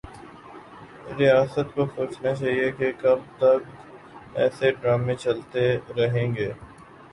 ریاست کو سوچنا چاہیے کہ کب تک ایسے ڈرامے چلتے رہیں گے